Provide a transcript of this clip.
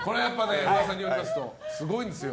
噂によりますとすごいんですよ。